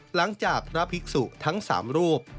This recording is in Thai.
หลังจากพระภิกษุทั้ง๓รูป